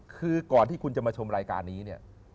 คือก่อนที่คุณจะมาชมรายการนี้เนี่ย